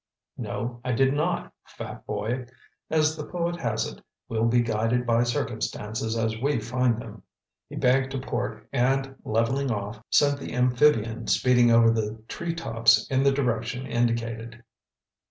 "No, I did not, fat boy. As the poet has it, we'll be guided by circumstances as we find them." He banked to port and leveling off, sent the amphibian speeding over the treetops in the direction indicated.